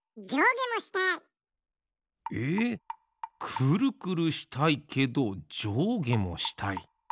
クルクルしたいけどじょうげもしたい。